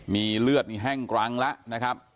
มีเลือดแห้งกรั้งละนะครับ